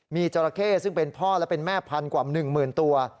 มีจราเข้ซึ่งเป็นพ่อและเป็นแม่พันธุ์กว่า๑หมื่นตัว